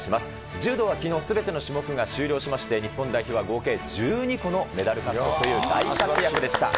柔道はきのう、すべての種目が終了しまして、日本代表は合計１２個のメダル獲得という大活躍でした。